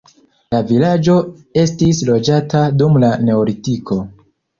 La vilaĝo estis loĝata dum la neolitiko.